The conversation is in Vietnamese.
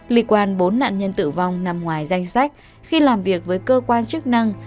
liên quan bốn nạn nhân tử vong nằm ngoài danh sách khi làm việc với cơ quan chức năng